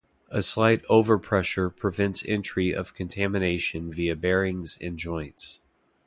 A slight over-pressure prevents entry of contamination via bearings and joints.